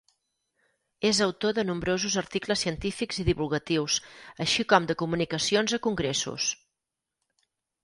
És autor de nombrosos articles científics i divulgatius així com de comunicacions a congressos.